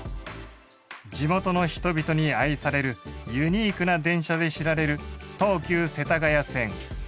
地元の人々に愛されるユニークな電車で知られる東急世田谷線。